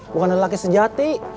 bukan lelaki sejati